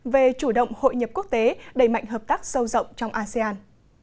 về chủ động hội nhập quốc tế đẩy mạnh hợp tác sâu rộng trong asean